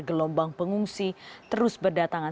gelombang pengungsi terus berdatangan